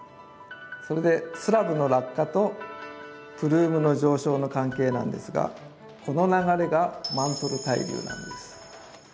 それでスラブの落下とプルームの上昇の関係なんですがこの流れがマントル対流なんです。